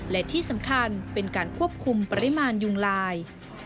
และที่สำคัญเป็นการควบคุมปริมาณยุงลาย